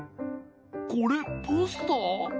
これポスター？